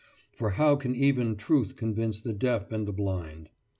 For how can even truth convince the deaf and the blind?